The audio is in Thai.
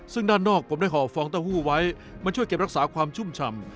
ซึ่งด้านนอกผมได้ห่อฟองเต้าหู้ไว้มาช่วยเก็บรักษาความชุ่มฉ่ำ